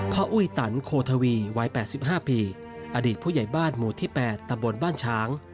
อุ้ยตันโคทวีวัย๘๕ปีอดีตผู้ใหญ่บ้านหมู่ที่๘ตำบลบ้านช้าง